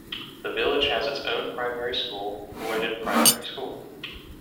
The village has its own primary school, Roydon Primary School.